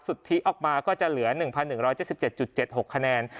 สุทธิออกมาก็จะเหลือ๑๑๗๗๖คะแนน